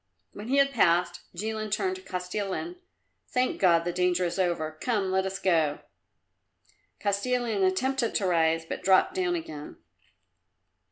When he had passed Jilin turned to Kostilin, "Thank God the danger is over. Come, let us go." Kostilin attempted to rise, but dropped down again.